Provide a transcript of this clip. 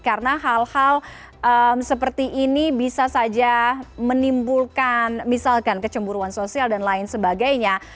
karena hal hal seperti ini bisa saja menimbulkan misalkan kecemburuan sosial dan lain sebagainya